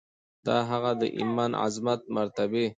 د هغه د ایمان، عظمت، مرتبې